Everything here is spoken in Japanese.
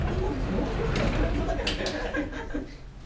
もう少しぐらい膨らみそうだけどもね。